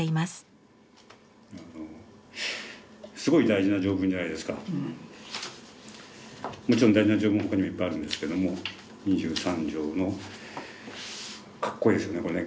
もちろん大事な条文他にもいっぱいあるんですけども２３条のかっこいいですねこれね。